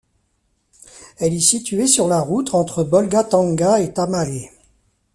Elle est située sur la route entre Bolgatanga et Tamale.